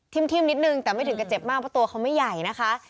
ทิ่มนิดนึงแต่ไม่ถึงกับเจ็บมากเพราะตัวเขาไม่ใหญ่นะคะ